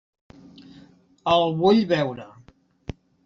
El vull veure.